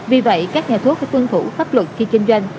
vì vậy các nhà thuốc phải tuân thủ pháp luật khi kinh doanh